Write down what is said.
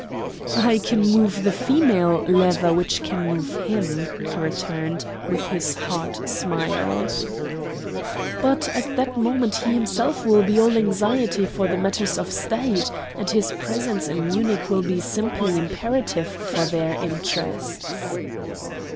"I can move the female lever which can move him," he returned, with his hard smile. "But at that moment he himself will be all anxiety for these matters of State, and his presence in Munich will be simply imperative for their interests."